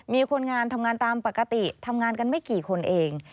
มีคนงานทำงานตามปกติทำงานกันไม่กี่คนเอง